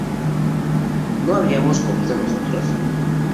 ¿no habíamos comido nosotros?